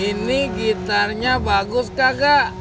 ini gitarnya bagus kagak